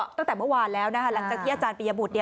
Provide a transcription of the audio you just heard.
ตั้งแต่เมื่อวานแล้วนะคะหลังจากที่อาจารย์ปียบุตร